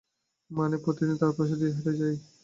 মানে, প্রতিদিন তার পাশ দিয়েই হেঁটে যাই।